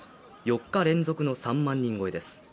４日連続の３万人超えです。